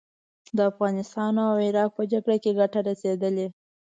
د افغانستان او عراق په جګړه کې ګټه رسېدلې.